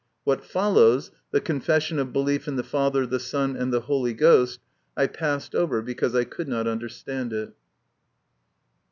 What follows the confession of belief in the Father, the Son, and the Holy Ghost I passed over, because I could not understand it.